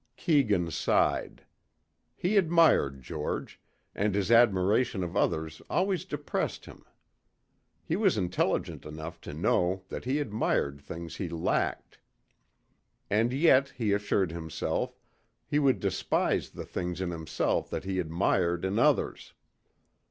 Keegan sighed. He admired George, and his admiration of others always depressed him. He was intelligent enough to know that he admired things he lacked. And yet, he assured himself, he would despise the things in himself that he admired in others.